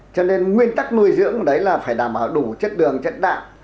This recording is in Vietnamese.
cho nên nguyên tắc nuôi dưỡng đấy là phải đảm bảo đủ chất đường chất đạm